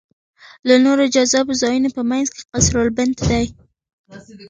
له نورو جذابو ځایونو په منځ کې قصرالبنت دی.